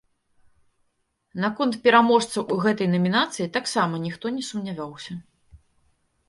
Наконт пераможцаў у гэтай намінацыі таксама ніхто не сумняваўся.